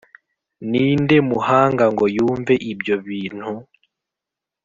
Ni nde muhanga ngo yumve ibyo bintu,